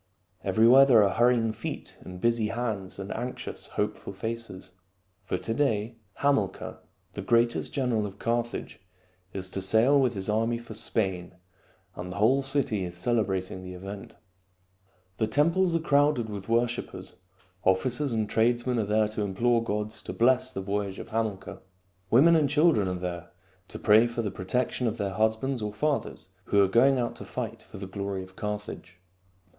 Everywhere there are hurrying feet and busy hands and anxious, hopeful faces. For to day Hamilcar, the greatest general of Carthage, is to sail with his army for Spain, and the whole city is celebrating the event. The temples are crowded with worshipers. Officers and tradesmen are there to implore the gods to bless the voyage of Hamilcar. Women and children are there to pray for the protection of their husbands or fathers who are going out to fight for the glory of Carthage.